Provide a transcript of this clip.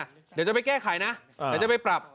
เดี๋ยวจะไปแก้ไขนะเดี๋ยวจะไปปรับ